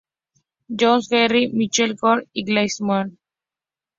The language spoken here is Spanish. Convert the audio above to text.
Jones, Jerry Lucas, Michael Jordan y Magic Johnson.